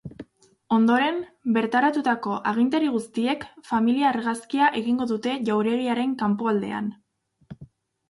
Ondoren, bertaratutako agintari guztiek familia argazkia egingo dute jauregiaren kanpoaldean.